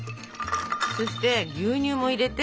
そして牛乳も入れて。